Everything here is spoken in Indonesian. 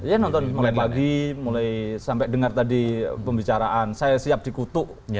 ya nonton mulai pagi mulai sampai dengar tadi pembicaraan saya siap dikutuk